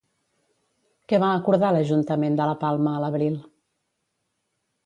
Què va acordar l'Ajuntament de la Palma a l'abril?